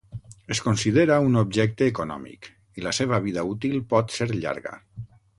Es considera un objecte econòmic i la seva vida útil pot ser llarga.